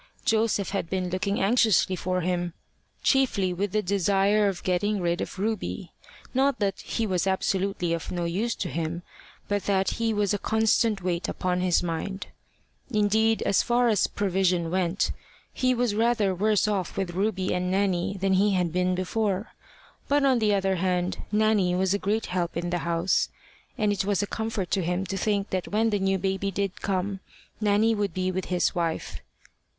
Joseph had been looking anxiously for him, chiefly with the desire of getting rid of Ruby not that he was absolutely of no use to him, but that he was a constant weight upon his mind. Indeed, as far as provision went, he was rather worse off with Ruby and Nanny than he had been before, but on the other hand, Nanny was a great help in the house, and it was a comfort to him to think that when the new baby did come, Nanny would be with his wife.